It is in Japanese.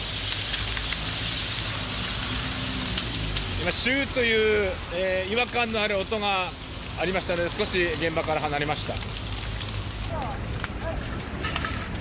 今、シューという違和感のある音がありましたので少し現場から離れました。